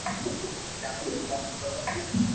جائين ڪوم ڪرو ھون